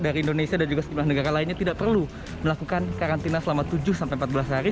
dari indonesia dan juga sejumlah negara lainnya tidak perlu melakukan karantina selama tujuh sampai empat belas hari